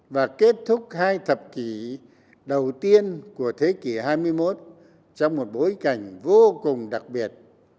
và kết thúc hai thập kỷ đầu tiên của thế kỷ hai mươi một trong một bối cảnh vô cùng đặc biệt